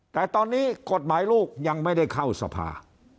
แต่ตอนนี้กฎหมายลูกยังไม่ได้เข้าสภา